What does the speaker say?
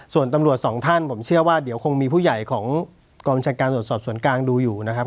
ส่วนตำรวจสองท่านผมเชื่อว่าเดี๋ยวคงมีผู้ใหญ่ของกองบัญชาการตรวจสอบสวนกลางดูอยู่นะครับ